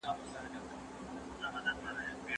د سياسي لغاتو سمه کارونه د ليکوالو لپاره ډېره مهمه ده.